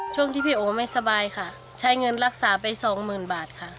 ช่วงที่พี่โอไม่สบายค่ะใช้เงินรักษาไปสองหมื่นบาทค่ะ